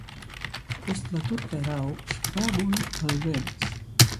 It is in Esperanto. Post la turka erao ŝvaboj alvenis.